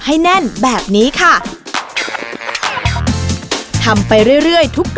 พี่ดาขายดอกบัวมาตั้งแต่อายุ๑๐กว่าขวบ